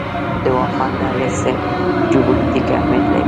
د واخان دهلیز څه جیوپولیټیک اهمیت لري؟